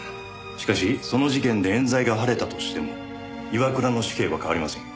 しかしその事件で冤罪が晴れたとしても岩倉の死刑は変わりません。